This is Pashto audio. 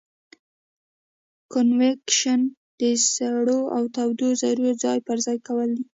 کانویکشن د سړو او تودو ذرتو ځای پر ځای کول دي.